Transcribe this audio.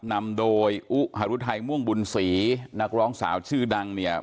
นำโดยอุฮารุทัยม่วงบุญศรีนักร้องสาวชื่อดังเนี่ย